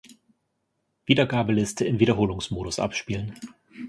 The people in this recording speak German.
Wiedergabeliste im Wiederholungsmodus abspielen.